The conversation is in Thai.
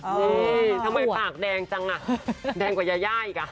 นี่ทำไมปากแดงจังอ่ะแดงกว่ายาย่าอีกอ่ะ